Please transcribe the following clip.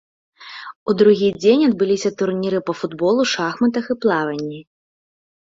У другі дзень адбыліся турніры па футболу, шахматах і плаванні.